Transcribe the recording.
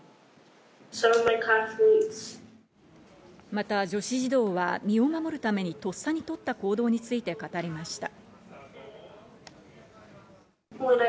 また女子児童は身を守るためにとっさにとった行動について語りました。